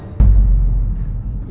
ibu saya sakit serius pak